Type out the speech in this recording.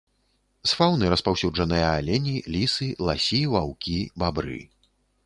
З фаўны распаўсюджаныя алені, лісы, ласі, ваўкі, бабры.